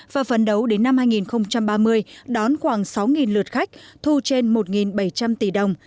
và phấn đấu đến năm hai nghìn ba mươi đón khoảng sáu lượt khách thu trên một bảy trăm linh tỷ đồng